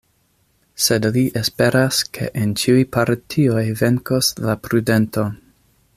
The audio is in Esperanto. Sed li esperas ke en ĉiuj partioj venkos la prudento.